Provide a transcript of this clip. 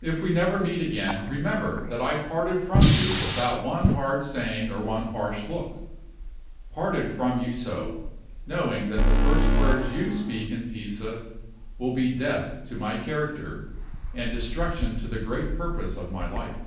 If we never meet again, remember that I parted from you without one hard saying or one harsh look parted from you so, knowing that the first words you speak in Pisa will be death to my character, and destruction to the great purpose of my life."